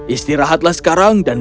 istirahatlah sekarang dan